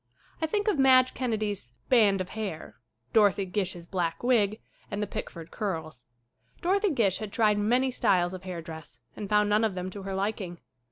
I think of Madge Kennedy's "band of hair," Dorothy Gish's black wig and the Pickford Curls. Dorothy Gish had tried many styles of hair dress and found none of them to her liking.